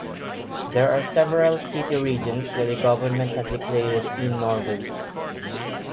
There are several "city regions" that the government has declared in Norway.